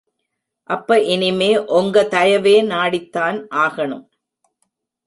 அப்ப இனிமே ஒங்க தயவே நாடித்தான் ஆகணும்.